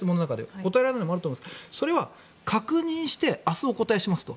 答えられないものもあると思うんですがそれは確認して明日お答えしますと。